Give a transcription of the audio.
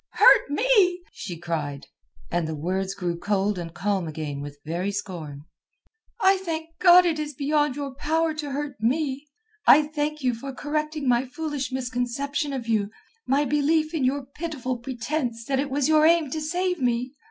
"Hurt me!" she cried, and on the words grew cold and calm again with very scorn. "I thank God it is beyond your power to hurt me. And I thank you for correcting my foolish misconception of you, my belief in your pitiful pretence that it was your aim to save me.